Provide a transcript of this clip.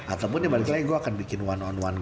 ataupun ya balik lagi gue akan bikin satu on one